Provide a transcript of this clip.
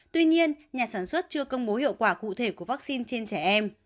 tuy nhiên nhà sản xuất chưa công bố hiệu quả cụ thể của vaccine trên trẻ em